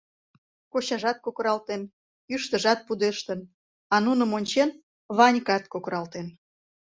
Кочажат кокыралтен, йӱштыжат пудештын, а нуным ончен, Ванькат кокыралтен.